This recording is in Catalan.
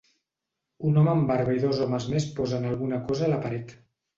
Un home amb barba i dos homes més posen alguna cosa a la paret.